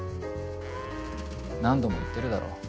何度も言ってるだろ？